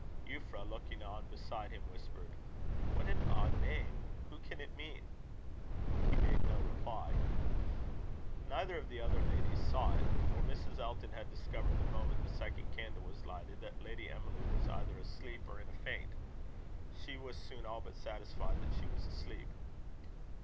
Euphra, looking on beside him, whispered: "What an odd name! Who can it mean?" He made no reply Neither of the other ladies saw it; for Mrs. Elton had discovered, the moment the second candle was lighted, that Lady Emily was either asleep or in a faint. She was soon all but satisfied that she was asleep.